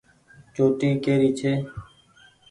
چوٽي ڪي ري ڇي۔